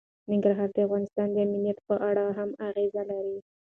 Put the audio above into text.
ننګرهار د افغانستان د امنیت په اړه هم اغېز لري.